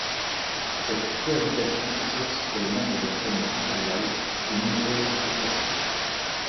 Cette cohabitation est source pour les membres de la famille impériale de nombreuses vexations.